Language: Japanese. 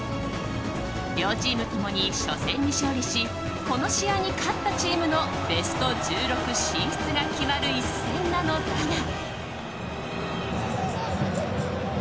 両チーム共に初戦に勝利しこの試合に勝ったチームのベスト１６進出が決まる一戦なのだが。